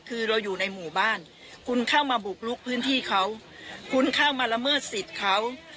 คือเราอยู่ในหมู่บ้านคุณเข้ามาบุกลุกพื้นที่เขาคุณเข้ามาละเมิดสิทธิ์เขา